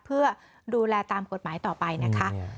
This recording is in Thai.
เพื่อดูแลตามกฎหมายต่อไปนะคะ